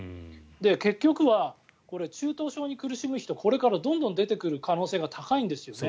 結局は中等症に苦しむ人これからどんどん出てくる可能性が高いんですよね。